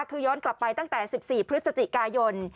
คือย้อนกลับไปตั้งแต่๑๔พฤศจิกายน